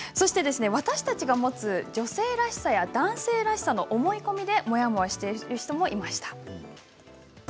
私たちが持つ女性らしさや男性らしさの思い込みでモヤモヤしている人もいました。